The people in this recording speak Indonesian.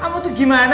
kamu tuh gimana